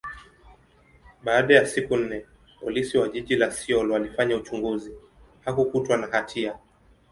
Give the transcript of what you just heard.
baada ya siku nne, Polisi wa jiji la Seoul walifanya uchunguzi, hakukutwa na hatia.